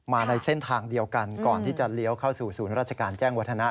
ในเส้นทางเดียวกันก่อนที่จะเลี้ยวเข้าสู่ศูนย์ราชการแจ้งวัฒนะ